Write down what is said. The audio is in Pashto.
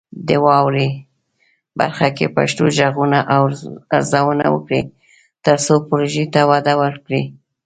د "واورئ" برخه کې پښتو غږونه ارزونه وکړئ، ترڅو پروژې ته وده ورکړو.